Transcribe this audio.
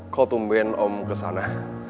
kok tumben om kesana